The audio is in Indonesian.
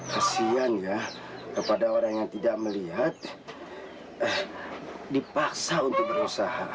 kasian ya kepada orang yang tidak melihat dipaksa untuk berusaha